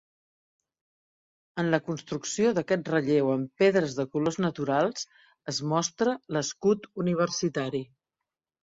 En la construcció d'aquest relleu en pedres de colors naturals es mostra l'escut universitari.